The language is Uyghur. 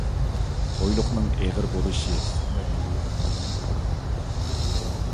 تويلۇقنىڭ ئېغىر بولۇشى سۈننەتكە ئۇيغۇن كېلەمدۇ؟